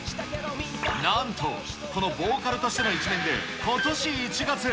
なんとこのボーカルとしての一面で、ことし１月。